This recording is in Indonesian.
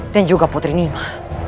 dan juga putri nima